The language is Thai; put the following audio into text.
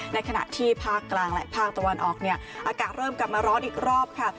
ในขณะที่ภาคกลางและภาคตะวันออกเนี่ยอากาศเริ่มกลับมาร้อนอีกรอบค่ะ